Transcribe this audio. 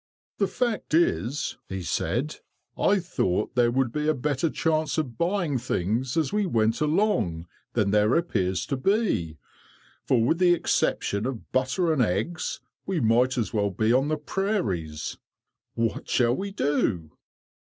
"The fact is," he said, "I thought there would be a better chance of buying things, as we went along, than there appears to be, for with the exception of butter and eggs, we might as well be on the prairies. What shall we do?"